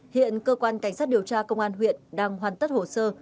hiện cơ quan cảnh sát điều tra công an huyện đang hoàn tất hồ sơ